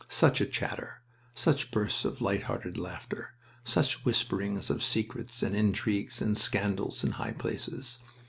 Such a chatter! Such bursts of light hearted laughter! Such whisperings of secrets and intrigues and scandals in high places!